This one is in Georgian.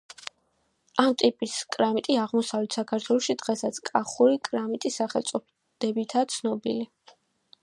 ამ ტიპის კრამიტი აღმოსავლეთ საქართველოში დღესაც კახური კრამიტის სახელწოდებითაა ცნობილი.